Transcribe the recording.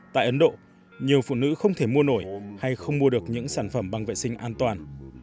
tại ấn độ nhiều phụ nữ không thể mua nổi hay không mua được những sản phẩm bằng vệ sinh an toàn